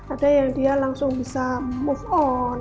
ada yang dia langsung bisa move on